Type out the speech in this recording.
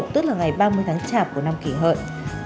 tức là ngày ba mươi tháng chạp của năm kỷ hợi